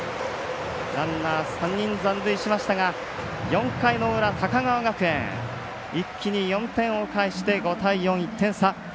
ランナー、３人残塁しましたが４回の裏、高川学園一気に４点を返して５対４と１点差。